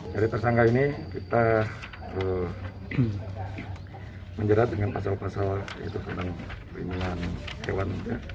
dari tersangka ini kita menjerat dengan pasal pasal yaitu tentang perlindungan hewan